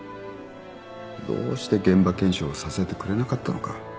どうして現場検証をさせてくれなかったのか。